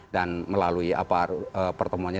dan melalui pertemuannya